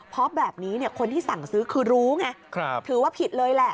เพราะแบบนี้คนที่สั่งซื้อคือรู้ไงถือว่าผิดเลยแหละ